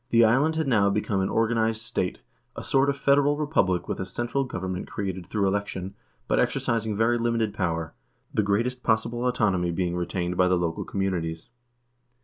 The island had now become an organized state — a sort of federal republic with a central government created through election, but exercising very limited power, the greatest possible autonomy being retained by the local communities.